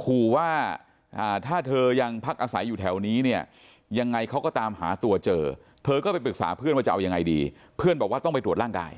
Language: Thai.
ขู่ว่าถ้าเธอยังพักอาศัยอยู่แถวนี้เนี่ยยังไงเขาก็ตามหาตัวเจอเธอก็ไปปรึกษาเพื่อนว่าจะเอายังไงดีเพื่อนบอกว่าต้องไปตรวจร่างกาย